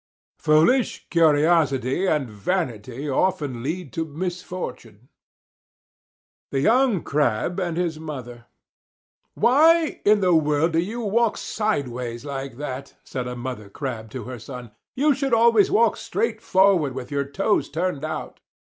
Foolish curiosity and vanity often lead to misfortune. THE YOUNG CRAB AND HIS MOTHER "Why in the world do you walk sideways like that?" said a Mother Crab to her son. "You should always walk straight forward with your toes turned out."